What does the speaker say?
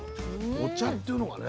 お茶っていうのがね。